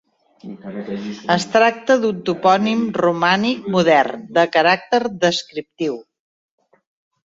Es tracta d'un topònim romànic modern, de caràcter descriptiu.